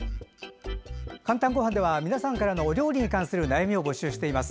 「かんたんごはん」は皆さんからのお料理に関するお悩みを募集しています。